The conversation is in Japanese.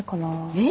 えっ！？